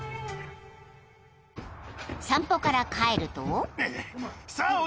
［散歩から帰ると］